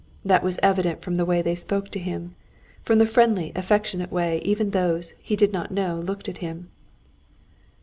That was evident from the way they spoke to him, from the friendly, affectionate way even those he did not know looked at him.